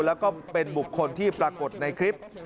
แล้วก็เป็นบุคคลที่ปรากฏในคลิป